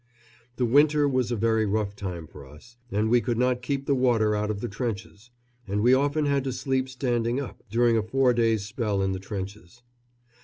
The winter was a very rough time for us, as we could not keep the water out of the trenches, and we often had to sleep standing up, during a four days' spell in the trenches.